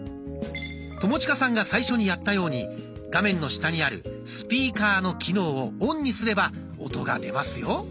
友近さんが最初にやったように画面の下にある「スピーカー」の機能をオンにすれば音が出ますよ。